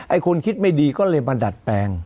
คนคิดไม่ดีก็เลยมาดัดแปลง